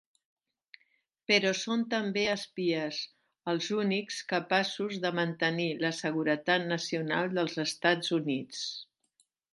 Però són també espies, els únics capaços de mantenir la seguretat nacional dels Estats Units.